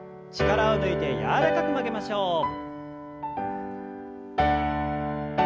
力を抜いて柔らかく曲げましょう。